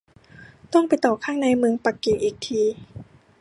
ต้องไปต่อข้างในเมืองปักกิ่งอีกที